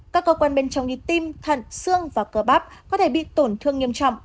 các cơ quan bên trong như tim thận xương và cơ bắp có thể bị tổn thương nghiêm trọng